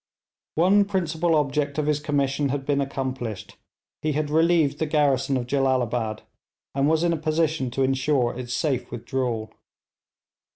One principal object of his commission had been accomplished; he had relieved the garrison of Jellalabad, and was in a position to ensure its safe withdrawal.